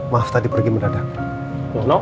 maaf tadi pergi mendadak